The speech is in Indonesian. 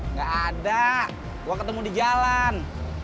nggak ada nggak ketemu di jalan